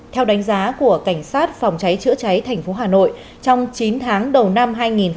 theo đánh giá của cảnh sát phòng cháy chữa cháy thành phố hà nội trong chín tháng đầu năm hai nghìn hai mươi